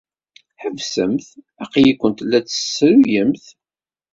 Ḥebsemt! Aql-ikent la tt-tessruyemt.